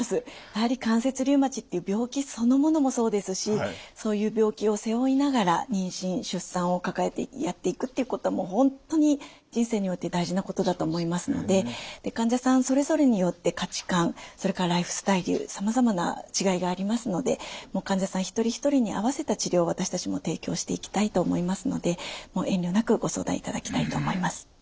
やはり関節リウマチっていう病気そのものもそうですしそういう病気を背負いながら妊娠・出産を抱えてやっていくっていうことはもう本当に人生において大事なことだと思いますので患者さんそれぞれによって価値観それからライフスタイルさまざまな違いがありますので患者さん一人一人に合わせた治療を私たちも提供していきたいと思いますので遠慮なくご相談いただきたいと思います。